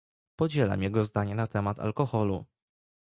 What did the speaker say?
Podzielam jego zdanie na temat alkoholu